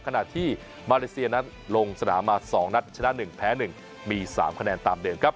ขณะที่มาเลเซียนั้นลงสนามมา๒นัดชนะ๑แพ้๑มี๓คะแนนตามเดิมครับ